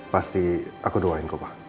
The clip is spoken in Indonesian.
pasti aku doain kok pak